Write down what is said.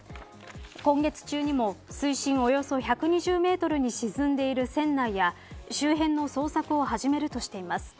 今月中にも水深およそ１２０メートルに沈んでいる船体や周辺の捜索を始めるとしています。